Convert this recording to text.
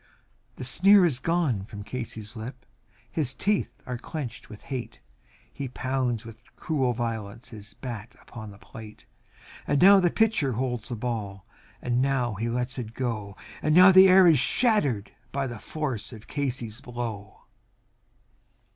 The sneer is gone from Casey's lip; his teeth are clenched with hate, He pounds with cruel violence his bat upon the plate; And now the pitcher holds the ball, and now he lets it go, And now the air is shattered by the force of Casey's blow.